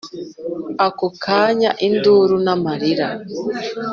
ako kanya induru marira